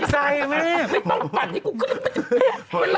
ไม่ต้องปัดนี่ทำไมขึ้นละ